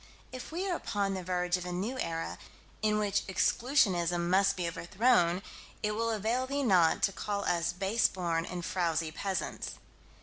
If we are upon the verge of a new era, in which Exclusionism must be overthrown, it will avail thee not to call us base born and frowsy peasants.